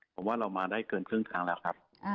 ผมว่าเรามาได้เกินครึ่งครั้งแล้วครับ